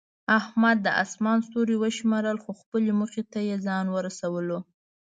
احمد د اسمان ستوري وشمارل، خو خپلې موخې ته یې ځان ورسولو.